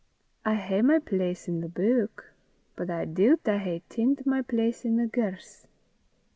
I hae my place i' the beuk, but I doobt I hae tint my place i' the gerse."